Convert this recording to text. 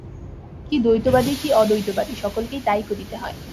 কি দ্বৈতবাদী, কি অদ্বৈতবাদী, সকলকেই তাই করিতে হয়।